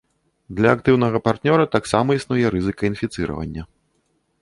Для актыўнага партнёра таксама існуе рызыка інфіцыравання.